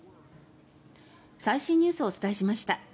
最新ニュースをお伝えしました。